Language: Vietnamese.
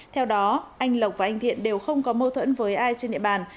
theo đó anh lộc và anh thiện đều không có mâu thuẫn với ai trên địa bàn